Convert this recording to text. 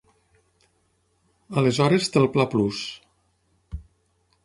Aleshores té el pla Plus.